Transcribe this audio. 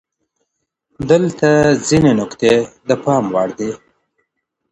دلته ځینې نکتې د پام وړ دي؟